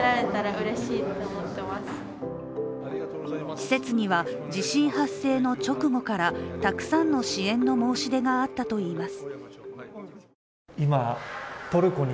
施設には地震発生の直後からたくさんの支援の申し出があったといいます。